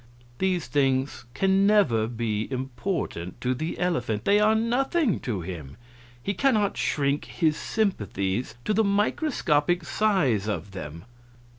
These things can never be important to the elephant; they are nothing to him; he cannot shrink his sympathies to the microscopic size of them.